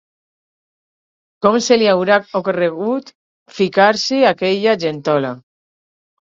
Com se li haurà ocorregut ficar-s’hi aquella gentola.